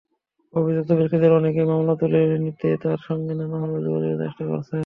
অভিযুক্ত ব্যক্তিদের অনেকেই মামলা তুলে নিতে তাঁর সঙ্গে নানাভাবে যোগাযোগের চেষ্টা করছেন।